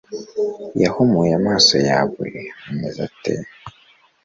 Yahumuye amaso yawe ameze ate